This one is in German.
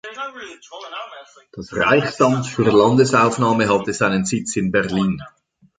Das Reichsamt für Landesaufnahme hatte seinen Sitz in Berlin.